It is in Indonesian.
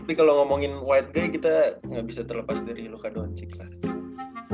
tapi kalo ngomongin white guy kita gak bisa terlepas dari luka doncik lah